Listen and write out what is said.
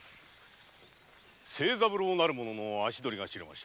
清三郎なる者の足どりが知れました。